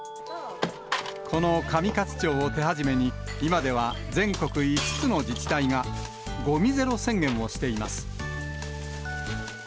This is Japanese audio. この上勝町を手始めに、今では全国５つの自治体が、ごみゼロ宣言をしています。